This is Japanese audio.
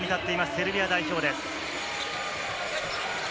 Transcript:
セルビア代表です。